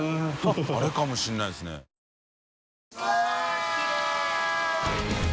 あれかもしれないですね届け。